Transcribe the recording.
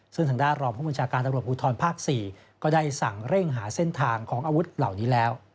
ซึ่งทางด้านรองผู้บัญชาการตำรวจภูทรภาค๔ก็ได้สั่งเร่งหาเส้นทางของอาวุธเหล่านี้แล้ว